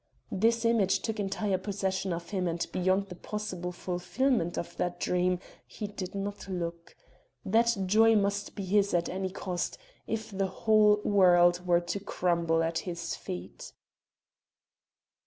This image took entire possession of him and beyond the possible fulfilment of that dream he did not look. That joy must be his at any cost, if the whole world were to crumble at his feet.